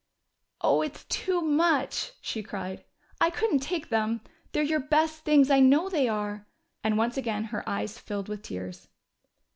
"Oh, it's too much!" she cried. "I couldn't take them! They're your best things I know they are." And once again her eyes filled with tears.